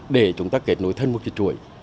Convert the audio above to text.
để chúng ta kết nối thêm một cái chuỗi